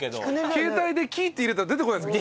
携帯で「き」って入れたら出てこないですか？